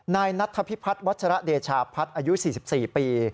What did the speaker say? นายนัทพิพัฒน์วัชระเดชาพัฒน์อายุ๔๔ปี